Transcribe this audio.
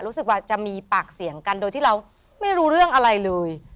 รู้สึกว่าจะมีปากเสียงกันโดยที่เราไม่รู้เรื่องอะไรเลย